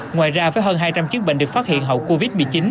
ngoài ra với hơn hai trăm linh chiếc bệnh được phát hiện hậu covid một mươi chín